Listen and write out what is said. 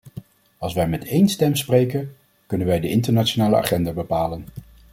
Als wij met één stem spreken, kunnen wij de internationale agenda bepalen.